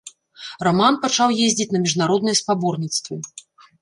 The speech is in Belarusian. Раман пачаў ездзіць на міжнародныя спаборніцтвы.